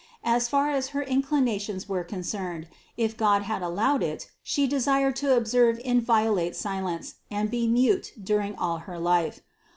As far as her inclina tions were concerned, if God had allowed it, She de sired to observe inviolate silence and be mute during all her life.